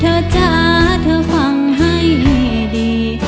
เธอจ้าเธอฟังให้ดี